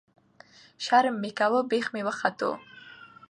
ـ شرم مې کوو بېخ مې وختو.